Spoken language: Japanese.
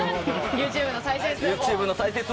ＹｏｕＴｕｂｅの再生数も。